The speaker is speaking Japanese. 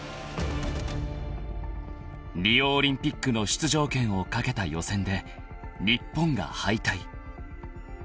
［リオオリンピックの出場権を懸けた予選で日本が敗退］